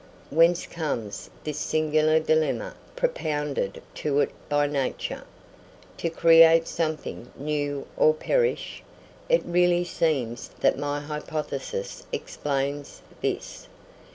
Whence comes this singular dilemma propounded to it by nature: to create something new or perish? It really seems that my hypothesis explains this.